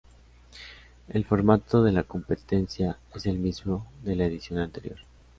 El formato de la competencia es el mismo de la edición anterior.